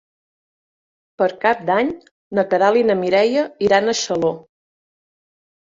Per Cap d'Any na Queralt i na Mireia iran a Xaló.